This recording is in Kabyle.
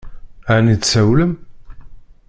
Ɛni tsawlem?